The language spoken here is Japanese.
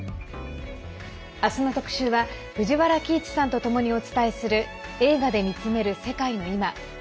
明日の特集は藤原帰一さんとともにお伝えする「映画で見つめる世界のいま」。